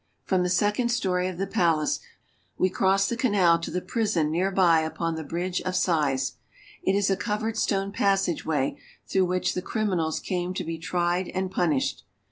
From the second story of the palace, we cross the canal to the prison near by upon the Bridge of Sighs. It is a cov Brid S e of Si 2 hs * ered stone passageway through which the criminals came to be tried and punished.